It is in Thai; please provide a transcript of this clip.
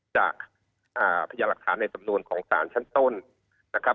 จากพยานหลักฐานในสำนวนของสารชั้นต้นนะครับ